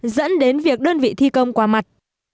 dẫn đến việc đơn vị thi công qua mặt